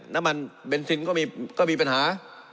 น้ำมันเบนซินก็มีปัญหา